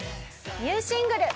ニューシングル。